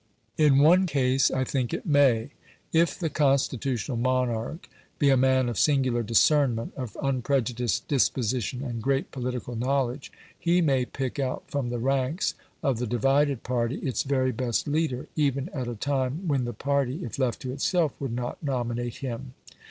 In one case I think it may. If the constitutional monarch be a man of singular discernment, of unprejudiced disposition, and great political knowledge, he may pick out from the ranks of the divided party its very best leader, even at a time when the party, if left to itself, would not nominate him.